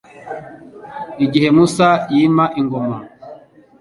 Igihe Musa yima ingoma,